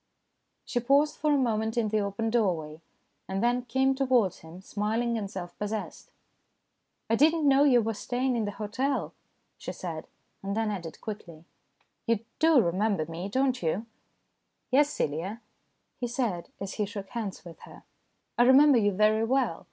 She paused for a moment in the open doorway, and then came towards him, smiling and self possessed. " I did not know you were staying in the hotel," she said, and then added quickly :" You do re member me, don't you ?" "Yes, Celia," he said as he shook hands with her. " I remember you very well.